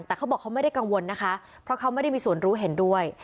แต่เขาบอกเขาไม่ได้กังวลนะคะเพราะเขาไม่ได้มีส่วนรู้เห็นด้วย